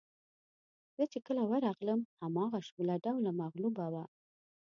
زه چې کله ورغلم هماغه شوله ډوله مغلوبه وه.